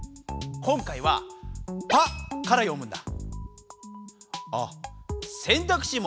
今回は「パ」から読むんだ。